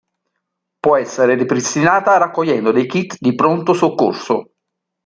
Può essere ripristinata raccogliendo dei kit di pronto soccorso.